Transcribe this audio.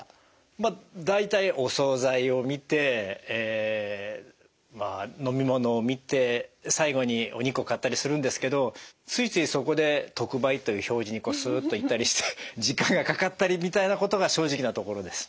まあ大体お総菜を見て飲み物を見て最後にお肉を買ったりするんですけどついついそこで特売という表示にすっと行ったりして時間がかかったりみたいなことが正直なところです。